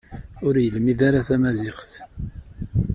Ur yelmid ara tamaziɣt.